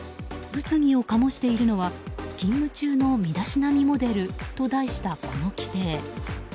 物議を醸しているのは勤務中の身だしなみモデルと題したこの規定。